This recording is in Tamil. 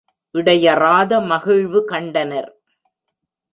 இடையறாத மகிழ்வு கண்டனர்.